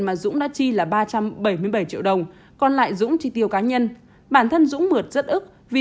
mà dũng đã chi là ba trăm bảy mươi bảy triệu đồng còn lại dũng chi tiêu cá nhân bản thân dũng mượn rất ức vì